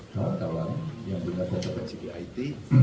kawan kawan yang punya kontroversi di it